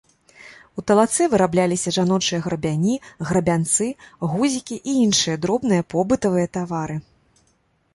У талацэ вырабляліся жаночыя грабяні, грабянцы, гузікі і іншыя дробныя побытавыя тавары.